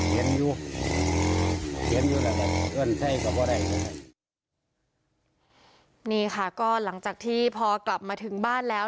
เบื่ออนไทยก็ได้นี่ค่ะก็หลังจากที่พอกลับมาถึงบ้านแล้ว